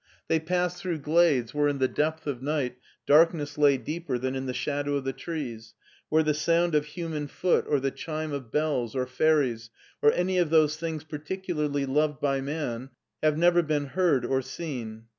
They passed through glades where in die depth of night darkness lay deeper than in the shadow of the trees, where the sound of human foot, or the chime of bells, or fairies, or any of those things parti cularly loved by man, have never been heard or seen.